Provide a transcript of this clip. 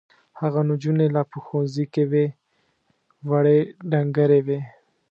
هغه نجونې لا په ښوونځي کې وې وړې ډنګرې وې.